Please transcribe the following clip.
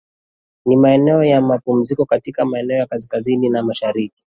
Ni maeneo ya mapumziko katika maeneo ya kaskazini na mashariki